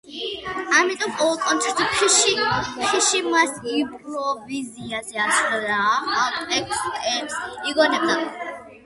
ამიტომ ყოველ კონცერტზე ფიში მას იმპროვიზაციით ასრულებდა და ახალ ტექსტებს იგონებდა.